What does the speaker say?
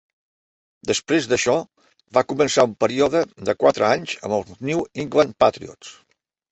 Després d'això, va començar un període de quatre anys amb els New England Patriots.